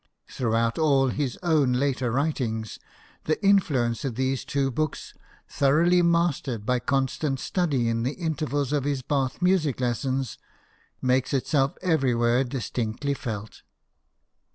Throughout all his own later writings, the influence of these two books, thoroughly mastered by constant study in the intervals of his Bath music lessons, makes itself everywhere distinctly felt.